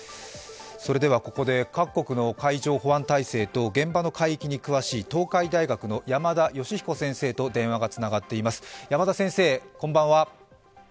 それでは、ここで各国の海上保安体制と現場の海域に詳しい東海大学の山田吉彦先生と電話がつながっています。